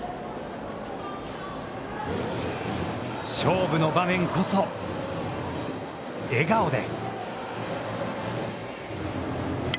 勝負の場面こそ笑顔で。